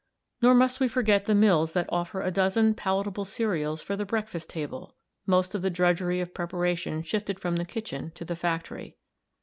Nor must we forget the mills that offer a dozen palatable cereals for the breakfast table, most of the drudgery of preparation shifted from the kitchen to the factory.